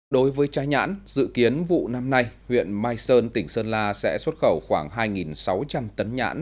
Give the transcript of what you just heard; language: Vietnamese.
đối với trái nhãn dự kiến vụ năm nay huyện mai sơn tỉnh sơn la sẽ xuất khẩu khoảng hai sáu trăm linh tấn nhãn